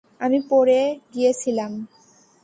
আমি পড়ে গিয়েছিলাম।